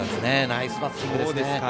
ナイスバッティングでした。